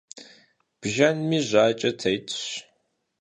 Bjjenmi jaç'e têtş.